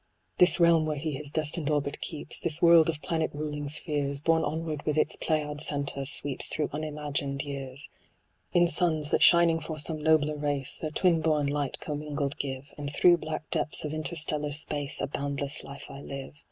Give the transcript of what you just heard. This realm where he his destined orbit keeps, This world of planet ruling spheres, Borne onward with its Pleiad centre, sweeps Through unimagined years. In suns, that shining for some nobler race Their twin born light commingled give, And through black depths of interstellar space A boundless life I live.